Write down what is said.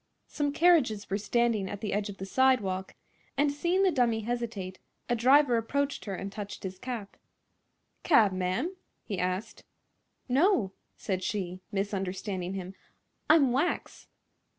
Some carriages were standing at the edge of the sidewalk, and seeing the dummy hesitate a driver approached her and touched his cap. "Cab, ma'am?" he asked. "No," said she, misunderstanding him; "I'm wax."